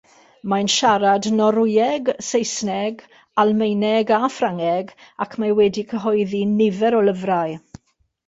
Mae'n siarad Norwyeg, Saesneg, Almaeneg a Ffrangeg, ac mae wedi cyhoeddi nifer o lyfrau.